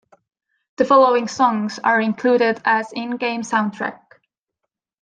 The following songs are included as in-game soundtrack.